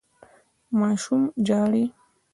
ماشوم ژاړي.